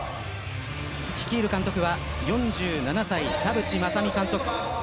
率いる監督は４７歳田渕正美監督。